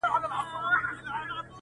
o په سپوږمۍ كي زمـــا ژوندون دى.